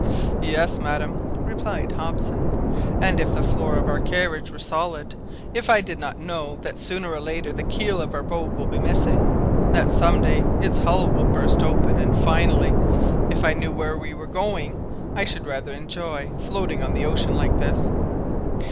"Yes, madam," replied Hobson;" and if the floor of our carriage were solid, if I did not know that sooner or later the keel of our boat will be missing, that some day its hull will burst open, and finally, if I knew where we are going, I should rather enjoy floating on the ocean like this."